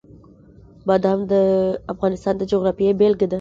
بادام د افغانستان د جغرافیې بېلګه ده.